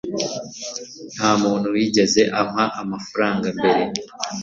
nta muntu wigeze ampa amafaranga mbere